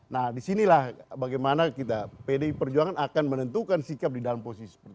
nah disinilah bagaimana kita pdi perjuangan akan menentukan sikap di dalam posisi seperti itu